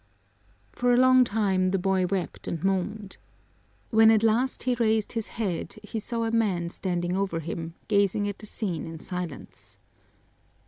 For a long time the boy wept and moaned. When at last he raised his head he saw a man standing over him, gazing at the scene in silence.